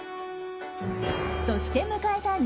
そして迎えた